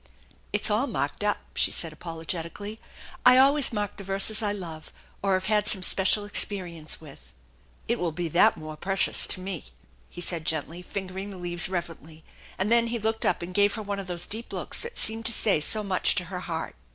" It is all marked up," she said apologetically. " I always mark the verses I love, or have had some special experience with." "It will be that much more precious to me," he said gently, fingering the leaves reverently, and then he looked up and gave her one of those deep looks that seemed to say so much to her heart.